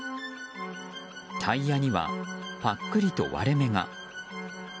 タイヤにはぱっくりと割れ目が。